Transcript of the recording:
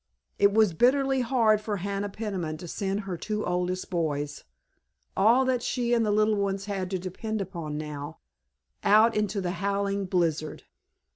It was bitterly hard for Hannah Peniman to send her two oldest boys—all that she and the little ones had to depend upon now—out into the howling blizzard.